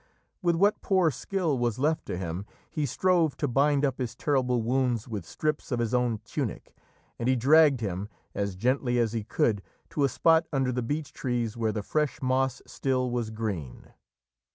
With what poor skill was left to him, he strove to bind up his terrible wounds with strips of his own tunic, and he dragged him, as gently as he could, to a spot under the beech trees where the fresh moss still was green.